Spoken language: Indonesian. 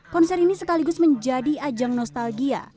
konser ini sekaligus menjadi ajang nostalgia